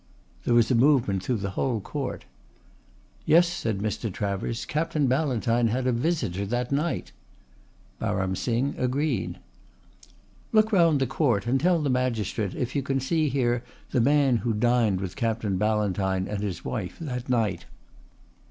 There was a movement through the whole court. "Yes," said Mr. Travers, "Captain Ballantyne had a visitor that night." Baram Singh agreed. "Look round the court and tell the magistrate if you can see here the man who dined with Captain Ballantyne and his wife that night."